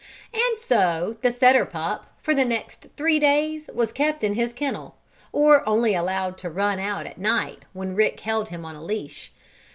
And so the setter pup, for the next three days, was kept in his kennel, or only allowed to run out at night when Rick held him on a leash.